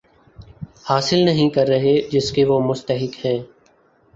حاصل نہیں کر رہے جس کے وہ مستحق ہیں